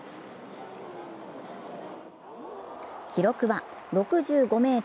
記録は６５ｍ６８。